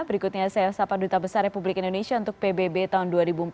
berikutnya saya sapa duta besar republik indonesia untuk pbb tahun dua ribu empat belas